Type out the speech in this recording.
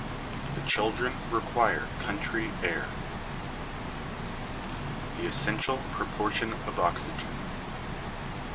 THE CHILDREN REQUIRE COUNTRY AIR The Essential Proportion of Oxygen.